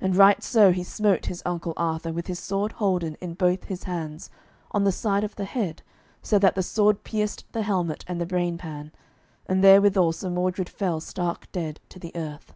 And right so he smote his uncle Arthur with his sword holden in both his hands, on the side of the head so that the sword pierced the helmet and the brain pan, and therewithal Sir Mordred fell stark dead to the earth.